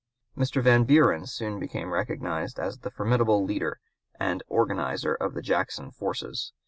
Mr. Van Buren soon became recognized as the formidable leader and organizer of the Jackson forces.